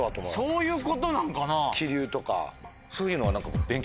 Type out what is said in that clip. そういうことなんかな？